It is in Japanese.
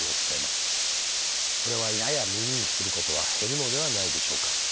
これはやや耳にすることは減るのではないでしょうか。